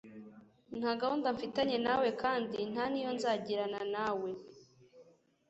ntagahunda mfitanye nawe kandi ntaniyo nzagirana nawe